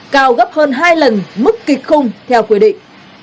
cao gấp hơn hai lần mức kịch không theo quyết định